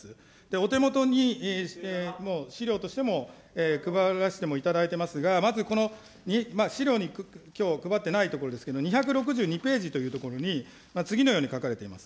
お手元にもう資料としても配らしてもいただいていますが、まずこの資料に、きょう、配ってないところですけれども、２６２ページというところに、次のように書かれています。